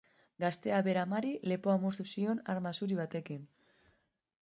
Gazteak bere amari lepoa moztu zion arma zuri batekin.